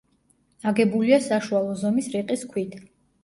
აგებულია საშუალო ზომის რიყის ქვით.